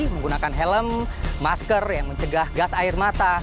menggunakan helm masker yang mencegah gas air mata